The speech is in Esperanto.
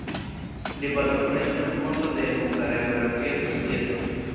Li partoprenis en fondo de "Hungara Geografia Societo".